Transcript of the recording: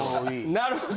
なるほど。